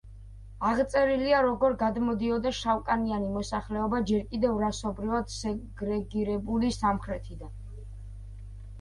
აღწერილია როგორ გადმოდიოდა შავკანიანი მოსახლეობა ჯერ კიდევ რასობრივად სეგრეგირებული სამხრეთიდან.